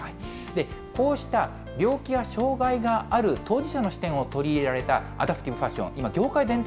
こうした病気や障害がある当事者の視点を取り入れられたアダプティブファッション。